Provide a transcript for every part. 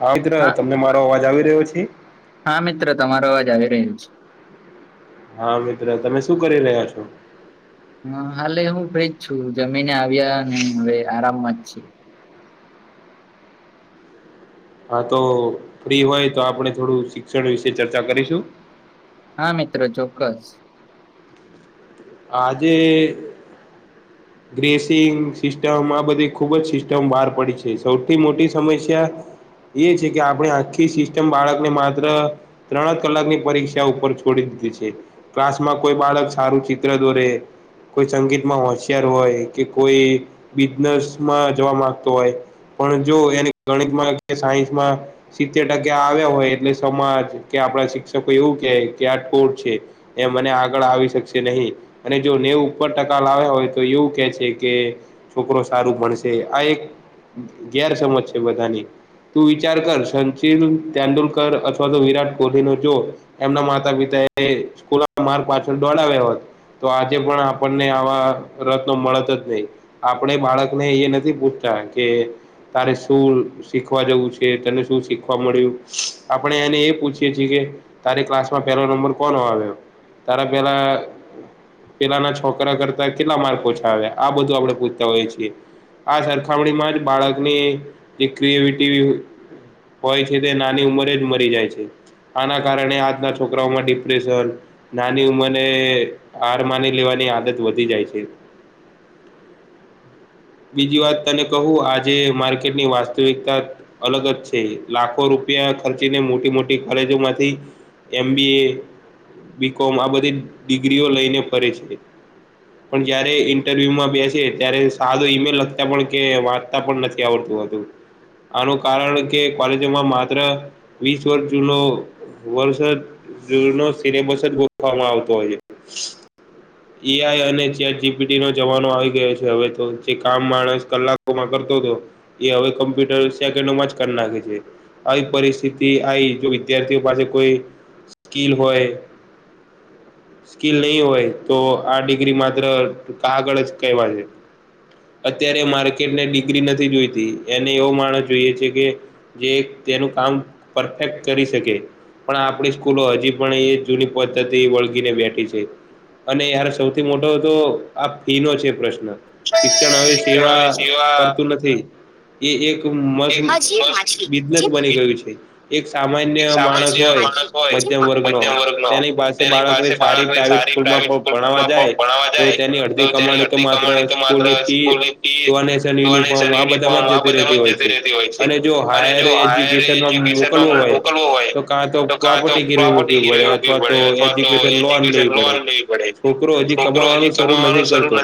હા મિત્ર તમને મારો અવાજ આવી રહ્યો છે હા મિત્ર તમારો અવાજ આવી રહ્યો છે હા મિત્ર તમે શું કરી રહ્યા છો હા હાલે હું ફ્રીજ છું જમીને આવ્યા ને હવે આરામમાં જ છે હા તો ફ્રી હોય તો આપણે થોડું શિક્ષણ વિશે ચર્ચા કરીશું હા મિત્ર ચોક્કસ આજે ગ્રેસિંગ સિસ્ટમ આ બધી ખૂબ જ સિસ્ટમ બહાર પડી છે સૌથી મોટી સમસ્યા એ છે કે આપણે આખી સિસ્ટમ બાળક ને માત્ર ત્રણ કલાકની પરીક્ષા ઉપર છોડી દીધી છે ક્લાસમાં કોઈ બાળક સારું ત્ર દોરે કોઈ સંગીતમાં હોશિયાર હોય કે કોઈ બિઝનેસ માં જવા માંગતો હોય પણ જો એને ગણિતમાં કે સાયન્સમાં સિત્તેર ટકા આવ્યા હોય એટલે સમાજ કે આપડા શિક્ષકો એવું કે કે આ ઠોર છે એ મને આગળ આવી શકશે નહી અને જો નેવું ઉપર ટકા લાવ્યા હોય તો એવું કે છે કે છોકરો સારું ભણશે આ એક ગેરસજ છે બધાની તું વિચાર કર સંચિલ તેંડુલકર અથવા તો વિરાટ કોહલીનો જો એમના માતા પિતા એ સ્કૂલ માર્ગ પાછળ દોડાવ્યો હોય તો આજે પણ આપણને આવા રત્નો મળત જ નહીં આપણે બાળકને એ નથી પૂછતા કે તારે શું શીખવા જવું છે તને શું શીખવા મળ્યું આપણે એને એ પૂછીએ છીએ કે તારી ક્લાસમાં પેલો નંબર કોણ આવ્યો તારા પેલા પેલાના છોકરા કરતા કેટલા માર્ક ઓછા આવ્યા આ બધું આપડે પૂછતા હોય છીએ આ સરખામણીમાં જ બાળકની એ ક્રિવેટીવ હોય છે તે નાની ઉંમરે જ મરી જાય છે આના કારણે આજના છોકરાઓમાં ડિપ્રેશન નાની ઉંમરને હર માની લેવાની આદત વધી જાય છે. બીજી વાત તને કહું આજે માર્કેટની વાસ્તવિકતા અલગ જ છે લાખો રૂપિયા ખર્ચીને મોટી મોટી કલેજો માંથી એમ બી એ બી કોમ આ બધી ડિગ્રીઓ લઈને ફરે છે. પણ જયારે ઇન્ટરવ્યુ માં બેસે ત્યારે સાદો ઈમેલ લખતા પણ કે વાત પણ નથી આવડતું હતુ. આનું કારણ કે કોલેજોમાં માત્ર વીસ વર્ષ જૂનો વર્ષ જૂ ન સિલેબસ જ ગોઠવામાં આવતો હોય છે. એઆઈ અને જે જીપીટી નો જવાનો આવી ગયો છે હવે તો જે કામ માણસ કલાકોમાં કરતો હતો. એ હવે કોમ્પ્યુટર શ્યાક એનું માં જ કરી નાખે છે. આવી પરિસ્થિતિ આવી જો વિદ્યાર્થીઓ પાસે કોઈ સ્કીલ હોય. સ્કીલ નહી હોય તો આ ડિગ્રી માત્ર ક આગળ જ કહેવા છે. અત્યારે માર્કેટને ડિગ્રી નથી જોઈતી એને એવો માણસ જોઈએ છે, કે જે તેનું કામ પરફેક્ટ કરી શકે પણ આપણી સ્કૂલો હજી પણ એ જૂની પદ્ધતિ વળગીને બેઠી છે. અને યાર સૌથી મોટો તો આ ફી નો છે, પ્રશ્ન શિક્ષણ હવે સેવા કરતું નથી. એ એક મ બિઝનેસ બની ગયું છે. એક સામાન્ય માણસ હોય મધ્યમ વર્ગ નો તેની પાસે બાળક ને સારી પ્રઇવેટ સ્કૂલ ભણવા જાય તો તેની અડધી કમાણી તો માત્ર સ્કૂલ ફી ડોનેશન યુનિફોર્મ આ બધામાં જતી રહેતી હોય છે અને જો હાયર એજુકેશનમાં મોકલવો હોય. તો કાં તો પ્રોપર્ટી ગેરવી મૂકવી પડે અથવા તો એજ્યુકેશન લોન લેવી પડે છોકરો હજી કમાવાનું શરૂ નથી કરતો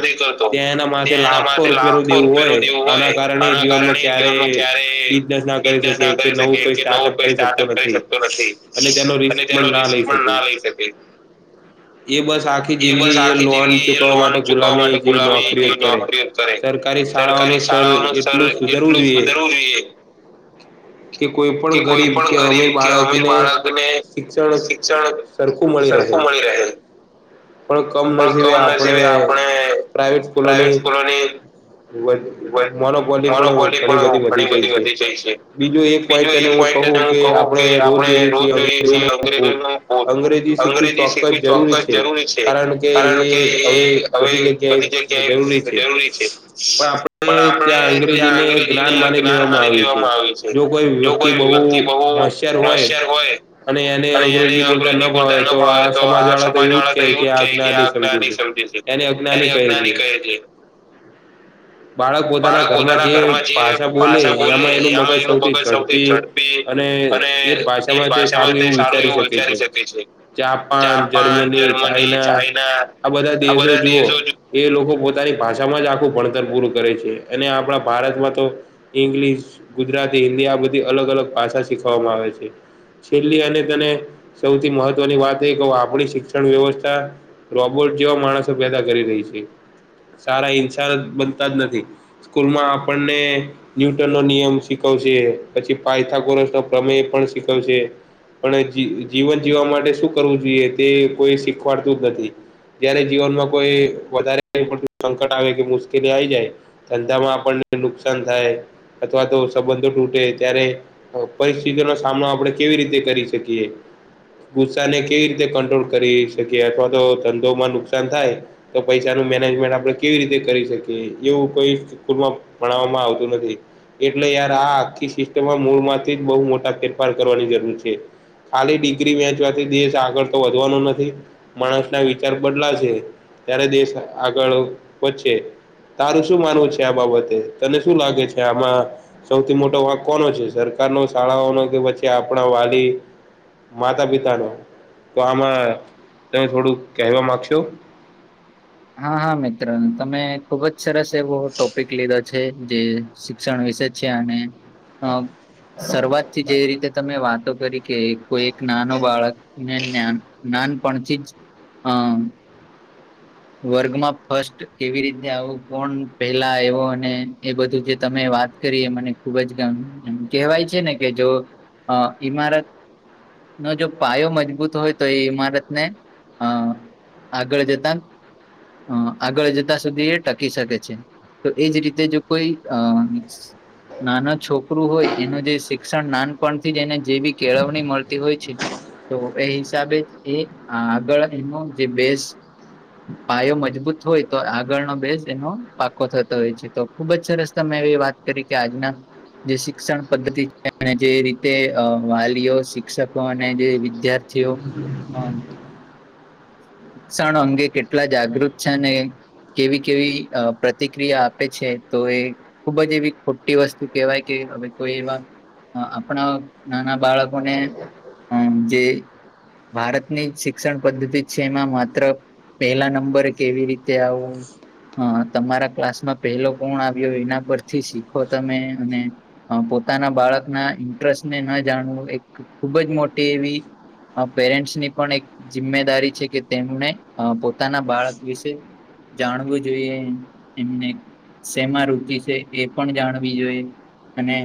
ત્યાં એના માથે લાખો રૂપિયા ન હોય આના કારણે જીવનમાં ક્યારે બિઝનેસ ના કરી શકે કે નવું કોઈ સ્ટાર્ટઅપ કરી શકતો નથી અને તેનો રિસ્ક પણ ના લઈ શકે ભી એ બસ આખી જિંદગી એ લોન ચુકવવા માટે ગુલામી જેવી નોકરીઓ કરે સરકારી શાળાઓનું સ્તર એટલું સુધરવું જોઈએ. કે કોઈ પણણ ગરીબ કે અમે બાળકને શિક્ષણ સરખું મળી રહે. પણ કમ નસીબે આપણે પ્રાઈવેટ સ્કૂલોની. મોનોકોલી પણ ઘણી બધી વધી જાય છે. બીજું એક પોઈન્ટ એને હું કહું કે આપ ોજ જોએ અંગ્રેજી શીખવી જરૂરી છે કારણ કે એ હવે બધી જગ્યાએ જરૂરી છે. પણ આપણે ત્યાં અંગ્રેજીને જ્ઞાન માની લેવામાં આવ્યું છે. જો કોઈ વ્યક્તિ બહુ મ અને એને અંગ્રેજી બોલતા ન ફાવે તો આ સમાજ વાળા તો એવું જ ક કે આ અજ્ઞાની સમજે છે એને અજ્ઞાની કહે છે. હ બાળક પોતાના ઘરમાં જે ભાષા બોલે એમાં એનું મગજ સૌથી ઝડપી અને એ ભાષામાં તે સારું એવું વિચારી શકે છે, કે આ જર્મની ચાઈના આ બધા દેશો જુઓ એ લોકો પોતાની ભાષામાં જ આખું ભણતર પૂરું કરે છે અને આપડા ભારતમાં તો ઈંગ્લિશ ગુજરાતી હિન્દી આ બધી અલગ અલગ ભાષા શીખવામાં આવે છે. છેલ્લી અને તને સૌથી મહત્વની વાત આપણી શિક્ષણ વ્યવસ્થા રોબોટ જેવા માણસો પેદા કરી રહી છે. સારા હિંસ બનતા જ નથી સ્કૂલમાં આપણને ન્યૂટન નો નિયમ શીખવશે પછી પાયથકોરસ નો પ્રમેય પણ શીખવશે પણ જી-જીવન જીવવા માટે શું કરવું જોઈએ તે કોઈ શીખવાડતું જ નથી. જયારે જીવનમાં કોઈ વધારે એ પડતું સંકટ આવે કે મુશ્કેલી આવી જાય ધંધામાં આપણને નુકસાન થાય, અથવા તો સંબંધો તૂટે ત્યારે પરિસ્થિતિનો સામનો આપડ કેવી રીતે કરી શકીએ? ને કેવી રીતે કંટ્રોલ કરી શકીએ અથવા તો ધંધોમાં નુકસાન થાય. તો પૈસા ન મેનેજમેન્ટ આપડે કેવી રીતે કરી શકીએ એવું કોઈ સુુમાં ભણવામાં આવતું નથી. એટલે યાર આ આખી સિસ્ટમ મૂળ માંથી જ બહુ મોટા ફેરફાર કરવાની જરૂર છે. ખાલી ડિગ્રી વેંચવાથી દ આગળ તો વધવાનું નથી, માણસના વિચાર બદલા છે. ત્યારે દેશ આગળ વધચે. તારું શું માનવું છે આ બાબતે તને શું લાગે છે આમાં. સૌથી મોટો વાક કોનો છે સરકાર નો શાળાઓનો કે પછી આપણા વાલી? માતા પિતાનો? તો આમાં તમે થોડુંક કવા માંગશો હા હા મિત્ર તમે ખુબ જ સરસ એવો ટોપિક લીધો છે, જે શિક્ષણ વિશે છે અને અ શરૂઆત થી જે રીતે તમે વાતો કરી કે કોઈ એક નાનો બાળક નેાન નાનપણથી જ અ વર્ગમાં ફસ્ટ કેવી રીતે આવું કોણ પેલા આવવો અને એ બધું જે તમે વાત કરીએ મને ખૂબ જ કહેવાય છે ને કે જો ઈમારત ન જો પાયો મજબૂત હોય તો એ ઈમારતને અ આગળ જતા અ આગળ જતા સુધી એ ટકી શકે છે, તો એજ રીતે જો કોઈ અ નાનો છોકરું હોય એનું જે શિક્ષણ નાનપણથી જ એને જેવી કેળવણી મળતી હોય છે. તો એ હિસાબે જ એ આગળ એનો જે બેસ પાયો મજબૂત હોય તો આગળનો બેઝ એનો પાકો થતો હોય છે તો ખુબ જ સરસ તમે એવી વાત તરીકે આજના જે શિક્ષણ પદ્ધતિ છે જે રીતે અહ વાલીઓ, શિક્ષકો અને જે વિદ્યાર ર્થીઓ અહ ક્ષણ અંગે કેટલા જાગૃત છે અને કેવી-કેવી અહ પ્રતિક્રિયા આપે છે તો એ ખુબ જ એવી ખોટી વસ્તુ કહેવાય કે હવે કોઈ એવા આ આપણા નાના બાળકોને અમ્મ જે ભારતની શિક્ષણ પદ્ધતિ છે એમાં માત્ર પેલા નંબરે કેવી રીતે આવું હા. તમારા ક્લાસમાં પહેલો કોણ આવ્યો એના પરથી શીખો તમે, અને અહ પોતાના બાળકના ઇન્ટરેસ્ટને ને ન જાણવું એક ખૂબ જ મોટી એવી અહ પેરેન્ટ્સ ની પણ એક જિમ્મેદારી છે કે તેમને અહ પોતાના બાળક વિશે જાણવું જોઈએ એમને. શેમા રુચિ છે એ પણ જાણવી જોઈએ. અને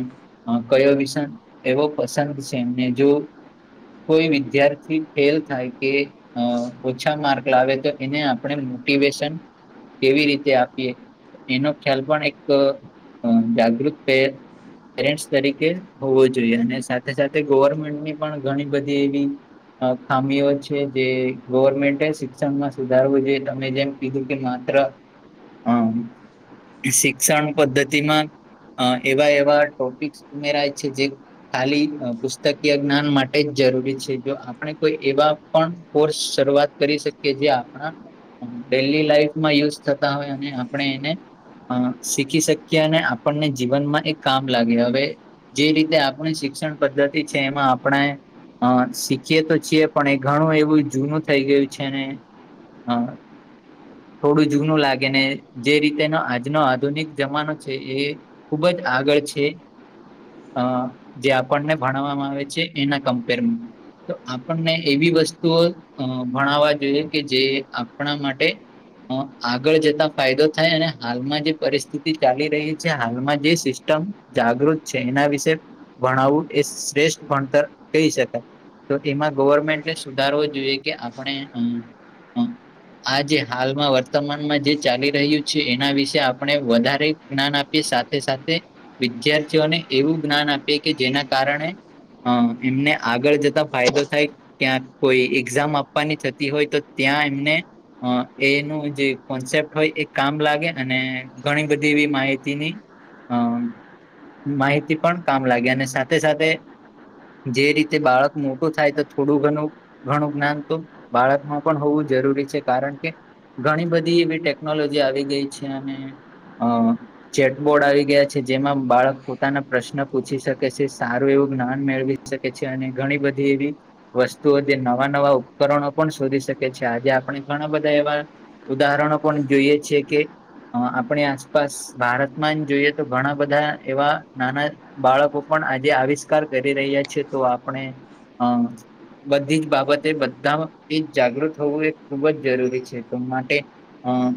ક્યો વિષન એવો પસંદ છે એમને જો કોઈ વિદ્યાર્થી ફેલ થાય કે અહ ઓછા માર્ક લાવે તો એને આપણે મોટિવેશન કેવી રીતે આપીએ એનો ખ્યાલ પણ એક જાગૃત થ પેરેન્ટ્સ તરીકે હોવો જોઈએ અને સાથે સાથે ગવર્મેન્ટની પણ ઘણી બધી એવી આ ખામીઓ છે. જે ગવર્મેન્ટે શિક્ષણમાં સુધારવું જોઈએ તમે જેમ કીધું કે માત્ર હમ્મ. શિક્ષણ પદ્ધતિમાં અહ એવા-એવા ટોપિકસ ઉમેરાય છે જે ખાલી પુસ્તકીય જ્ઞાન માટે જ જરૂરી છે. જો આપણે કોઈ એવા પણ કોર્સ શરૂઆત કરી શકીએ, જે આપણા ડેલી લાઈફમાં યુઝ થતા હોય અને આપણે એને આ શીખી શકીએ અને આપણને જીવનમાં એ કામ લાગે હવે જે રીતે આપણી શિક્ષણ પદ્ધતિ છે એમાં આપણે આ શીખીએ તો છીએ પણ એક ઘણું એવું જૂનું થઈ ગયું છે ને હા. થોડું જૂનું લાગે ને જે રીતેનો આજનો આધુનિક જમાનો છે એ ખુબ જ આગળ છે. અ જે આપણને ભણવામાં આવે છે એન કમ્પેરમા તો આપણને એવી વસ્તુઓ અ ભણાવવા જોઈએ કે જે આપણા માટે અ આગળ જતા ફાયદો થાય અને હાલમાં જે પરિસ્થિતિ ચાલી રહી છે હાલમાં જે સિસ્ટમ જાગૃત છે એના વિશે ભણાવવું એ શ્રેષ્ઠ ભણતર કહી શકાય. તો એમાં ગવર્મેન્ટ ને સુધારવો જોઈએ કે આપણે હમ્મ. [inaudible] આ જે હાલમાં વર્તમાનમાં જે ચાલી રહ્યું છે એના વિશે આપણે વધારે જ્ઞાન આપીએ સાથે સાથે વિદ્યાર્થીઓને એવું જ્ઞાન આપીએ કે જેના કારણે આ એમને આગળ જતા ફાયદો થાય. ત્યાં કોઈ એક્ઝામ આપવાની થતી હોય તો ત્યાં એમને અ એનું જે કોન્સેપ્ટ હોય એ કામ લાગે અને ઘણી બધી એવી માહિતીની આમ માહિતી પણ કામ લાગે અને સાથે સાથે જે રીતે બાળક મોટું થાય તો થોડું ઘણું ઘણું જ્ઞાન તો બાળકમાં પણ હોવું જરૂરી છે કારણ કે ઘણી બધી એવી ટેકનોલોજી આવી ગઈ છે અને અ ચેટબોર્ડ આવી ગયા છે જેમાં બાળક પોતાના પ્રશ્ન પૂછી શકે છે સારું એવું જ્ઞાન મેળવી શકે છે અને ઘણી બધી એવી વસ્તુઓ જે નવા નવા ઉપકરણો પણ શોધી શકે છે આજે આપણે ઘણા બધા એવા ઉદાહરણો પણ જોઈએ છે કે આ આપણી આસપાસ ભારતમાં જોઈએ તો ઘણા બધા એવા નાના બાળકો પણ આજે આવિષ્કાર કરી રહ્યા છે તો આપણે અ બધી જ બાબતે બધાથી જાગૃત હોવું એ ખૂબ જ જરૂરી છે તો માટે આ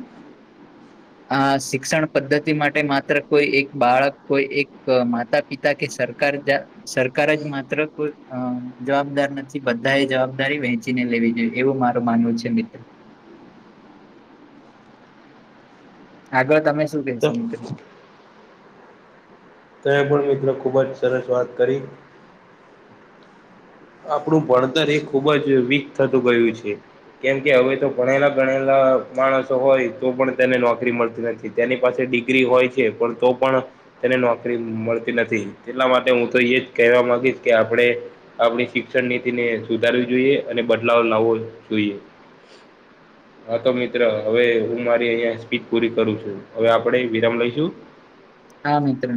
[inaudible] આ શિક્ષણ પદ્ધતિ માટે માત્ર કોઈ એક બાળક કોઈ એક માતા પિતા કે સરકાર જ સરકાર જ માત્ર કોઈ અ જવાબદાર નથી. થી બધા એ જવાબદારી વેંચીને લેવી જોઈએ એવું મારું માનવું છે મિત્ર. આગળ તમે શું કહેસો મિત્ર. તમે પણ મિત્રો ખુબ જ સરસ વાત કરી. આપણું ભણતર એ ખુબ જ વીક થતું ગયું છે. કેમકે હવે તો ભણેલા ગણેલા માણસો હોય તો પણ તેને નોકરી મળતી નથી. તેની પાસે ડિગ્રી હોય છે પણ તો પણ તેને નોકરી મળતી નથી એટલા માટે હું તો એ જ કહેવા માંગીશ કે આપણે આપણી શિક્ષણ નીતિને સુધારવી જોઈએ અને બદલાવ લાવવો જોઈએ. [unintelligible] હા, તો મિત્ર, હવે હું મારી અહીયાયા સ્પીજ પૂરી કરું છું, હવે આપણે વિરામ લઈશું. હા, મિત્ર!